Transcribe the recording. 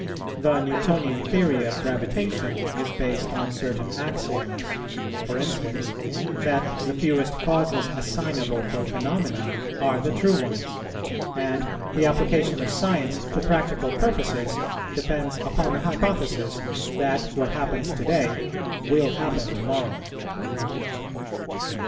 The Newtonian theory of gravitation is based on certain axioms; for instance, that the fewest causes assignable for phenomena are the true ones: and the application of science to practical purposes depends upon the hypothesis that what happens to day will happen to morrow.